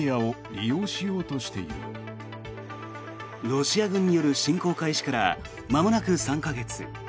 ロシア軍による侵攻開始からまもなく３か月。